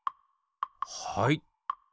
はい。